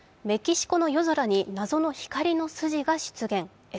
メキシコの夜空に謎の光の筋が出現。